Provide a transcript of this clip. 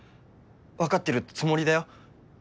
分かってるつもりだよ。